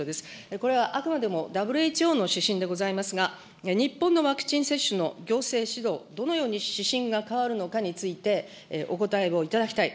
これはあくまでもＷＨＯの指針でございますが、日本のワクチン接種の行政指導、どのように指針が変わるのかについて、お答えをいただきたい。